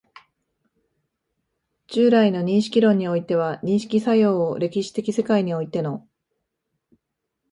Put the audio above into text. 従来の認識論においては、認識作用を歴史的世界においての